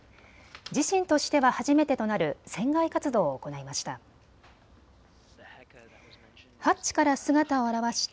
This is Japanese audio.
自身としては初めてとなる船外活動を行いました。